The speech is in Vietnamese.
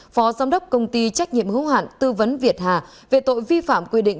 phó giám đốc công ty trách nhiệm hữu hạn tư vấn việt hà về tội vi phạm quy định